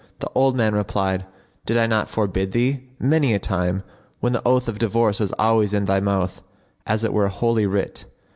The old man replied, "Did I not forbid thee, many a time, when the oath of divorce was always in thy mouth, as it were Holy Writ?"